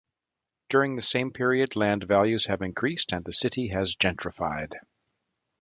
During the same period, land values have increased and the city has gentrified.